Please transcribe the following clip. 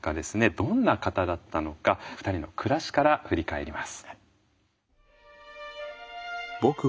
どんな方だったのか二人の暮らしから振り返ります。